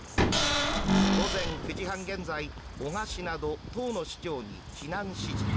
午前９時半現在男鹿市など、１０の市町に避難指示。